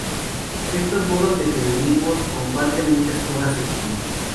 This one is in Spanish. Estos modos de feminismos comparten muchas cosas en común.